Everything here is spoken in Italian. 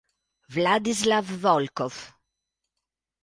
Vladislav Volkov